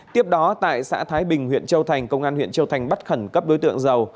tiếp đó tại xã thái bình huyện châu thành công an huyện châu thành bắt khẩn cấp đối tượng giàu